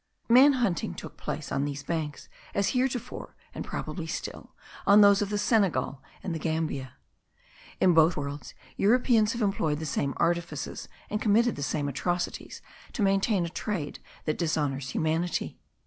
Man hunting took place on these banks, as heretofore (and probably still) on those of the Senegal and the Gambia. In both worlds Europeans have employed the same artifices, and committed the same atrocities, to maintain a trade that dishonours humanity.